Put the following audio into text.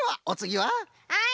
はい！